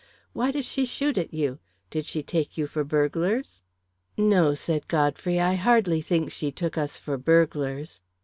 Why did she shoot at you? Did she take you for burglars?" "No," said Godfrey, "I hardly think she took us for burglars."